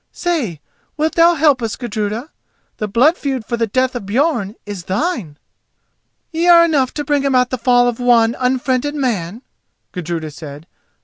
Say, wilt thou help us, Gudruda? The blood feud for the death of Björn is thine." "Ye are enough to bring about the fall of one unfriended man," Gudruda said.